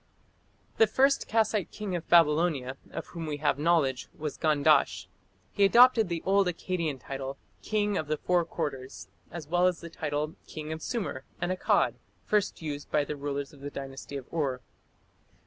The first Kassite king of Babylonia of whom we have knowledge was Gandash. He adopted the old Akkadian title, "king of the four quarters", as well as the title "king of Sumer and Akkad", first used by the rulers of the Dynasty of Ur.